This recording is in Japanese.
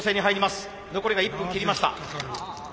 残りが１分切りました。